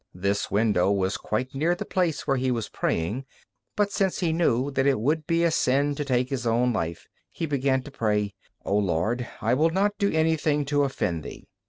This window was quite near the place where he was praying. But since he knew that it would be a sin to take his own life, he began to pray, "O Lord, I will not do anything to offend Thee."